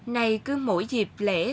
này cứ mỗi dịp lễ